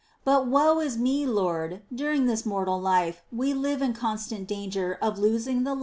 But woe is me. Lord ! during this mortal life we live in constant danger of losing the life that is eternal.